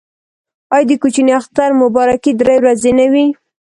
آیا د کوچني اختر مبارکي درې ورځې نه وي؟